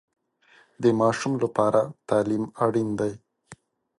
د ماشومانو لپاره تعلیم اړین دی.